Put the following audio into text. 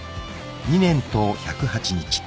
［２年と１０８日］